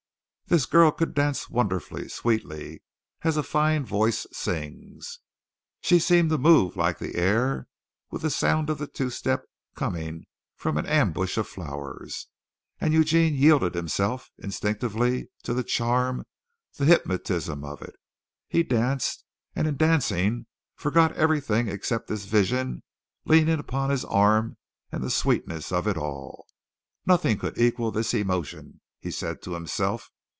This girl could dance wonderfully, sweetly, as a fine voice sings. She seemed to move like the air with the sound of the two step coming from an ambush of flowers, and Eugene yielded himself instinctively to the charm the hypnotism of it. He danced and in dancing forgot everything except this vision leaning upon his arm and the sweetness of it all. Nothing could equal this emotion, he said to himself.